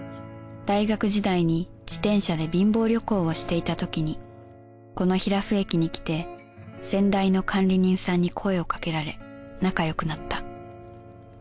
大学時代に自転車で貧乏旅行をしていたときにこの比羅夫駅に来て先代の管理人さんに声をかけられ仲よくなった。